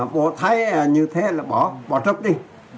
bộ thay như thế là bỏ trốc đi